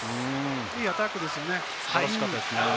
いいアタックですよね。